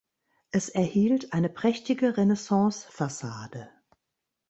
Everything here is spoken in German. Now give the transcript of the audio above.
Es erhielt eine prächtige Renaissancefassade.